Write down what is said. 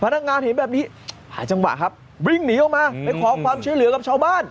พนักงานเห็นแบบนี้หาจังหวะครับวิ่งหนีออกมาไปขอความช่วยเหลือกับชาวบ้าน